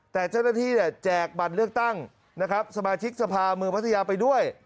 แต่เจ้าหน้าที่แจกบัตรเลือกตั้งนะครับสมาชิกสภาเมืองพัทยาไปด้วย